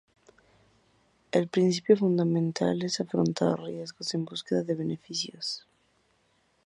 El principio fundamental es afrontar riesgos en búsqueda de beneficios.